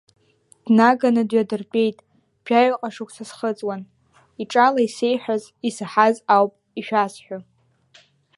Днаганы дҩадыртәеит жәаҩаҟа шықәса схыҵуан, иҿала исеиҳәаз, исаҳаз ауп ишәасҳәо.